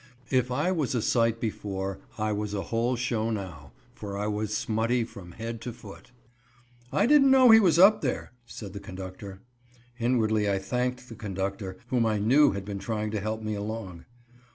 If I was a sight before, I was a whole show now, for I was smutty from head to foot. "I didn't know he was up there," said the conductor. Inwardly I thanked the conductor, whom I knew had been trying to help me along.